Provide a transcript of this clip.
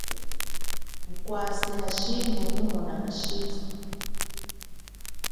Mukwase, hashimbu mumona kashithu.